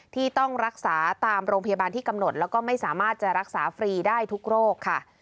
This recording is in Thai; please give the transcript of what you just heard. ที่ต้องรักษาตามโรงพยาบาลที่กำหนดแล้วก็ไม่สามารถจะรักษาฟรีได้ทุกโรคค่ะ